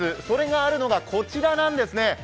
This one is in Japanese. それがあるのがこちらなんですね。